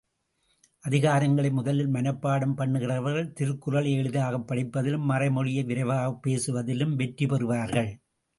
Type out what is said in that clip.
அதிகாரங்களை முதலில் மனப்பாடம் பண்ணுகிறவர்கள், திருக்குறளை எளிதாகப் படிப்பதிலும், மறைமொழியை விரைவாகப் பேசுவதிலும் வெற்றி பெறுவார்கள்.